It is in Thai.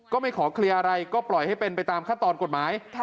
ไม่ขอเคลียร์อะไรก็ปล่อยให้เป็นไปตามขั้นตอนกฎหมาย